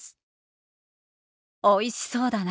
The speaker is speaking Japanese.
「おいしそうだな」。